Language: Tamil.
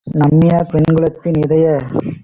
நம்மினப் பெண்குலத்தின் - இதய